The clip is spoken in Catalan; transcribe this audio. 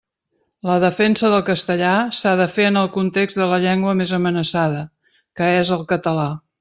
La defensa del castellà s'ha de fer en el context de la llengua més amenaçada, que és el català.